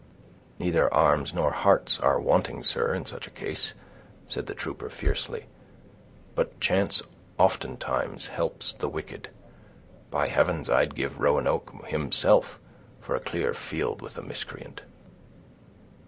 "Neither arms nor hearts are wanting, sir, in such a cause," said the trooper, fiercely; "but chance oftentimes helps the wicked. By heavens, I'd give Roanoke himself, for a clear field with the miscreant!"